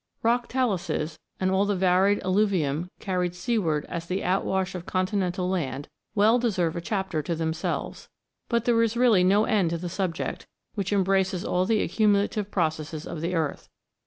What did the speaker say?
Rock taluses, and all the varied alluvium carried seaward as the outwash of continental land, well deserve a chapter to themselves. But there is really no end to the subject, which embraces all the accumulative processes of the earth.